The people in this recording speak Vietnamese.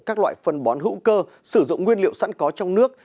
các loại phân bón hữu cơ sử dụng nguyên liệu sẵn có trong nước